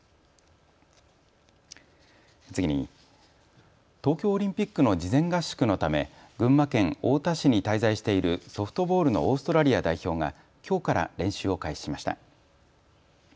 次に東京オリンピックの事前合宿のため群馬県太田市に滞在しているソフトボールのオーストラリア代表がきょうから練習を開始しました。